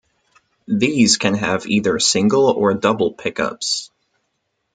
These can have either single or double pickups.